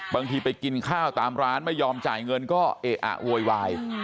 บางทีไปกินข้าวตามร้านไม่ยอมจ่ายเงินก็เอะอะโวยวาย